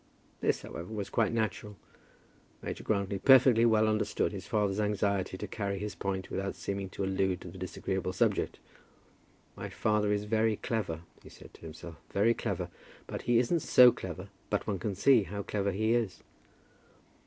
This, however, was quite natural. Major Grantly perfectly well understood his father's anxiety to carry his point without seeming to allude to the disagreeable subject. "My father is very clever," he said to himself, "very clever. But he isn't so clever but one can see how clever he is."